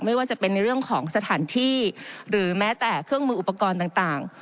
ไม่ว่าจะเป็นในเรื่องของสถานที่หรือแม้แต่เครื่องมืออุปกรณ์ต่าง